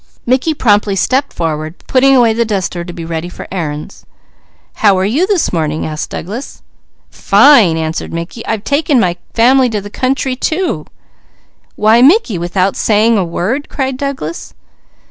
Mickey promptly stepped forward, putting away the duster to be ready for errands. "How are you this morning?" asked Douglas. "Fine!" answered Mickey. "I've taken my family to the country, too!" "Why Mickey! without saying a word!" cried Douglas.